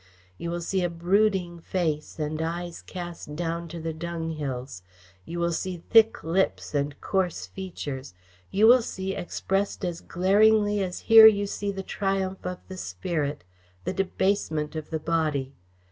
You will see a brooding face and eyes cast down to the dunghills. You will see thick lips and coarse features. You will see expressed as glaringly as here you see the triumph of the spirit, the debasement of the body.